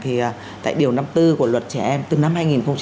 thì tại điều năm tư của luật trẻ em từ năm hai nghìn một mươi sáu